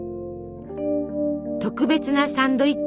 特別なサンドイッチ。